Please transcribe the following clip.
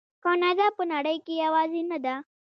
کاناډا په نړۍ کې یوازې نه ده.